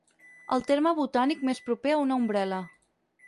El terme botànic més proper a una ombrel·la.